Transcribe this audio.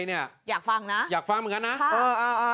อยากฟังนะอยากฟังเหมือนกันนะ